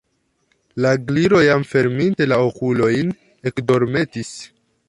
La Gliro, jam ferminte la okulojn, ekdormetis.